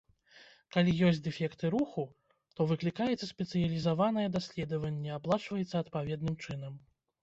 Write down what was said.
Калі ёсць дэфекты руху, то выклікаецца спецыялізаванае даследаванне, аплачваецца адпаведным чынам.